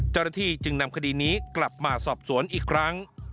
เจ้าหน้าที่จึงนำคดีนี้กลับมาสอบสวนอีกครั้ง